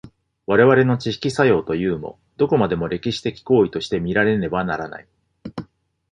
我々の知識作用というも、どこまでも歴史的行為として見られねばならない。